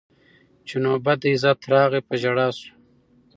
چي نوبت د عزت راغی په ژړا سو